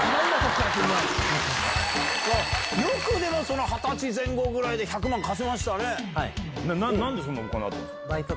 よく二十歳前後ぐらいで１００万貸せましたね。